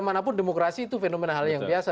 manapun demokrasi itu fenomena hal yang biasa